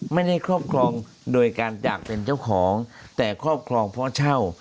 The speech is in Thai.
ไม่ได้ครอบครองโดยการจากเป็นเจ้าของแต่ครอบครองเพราะเช่า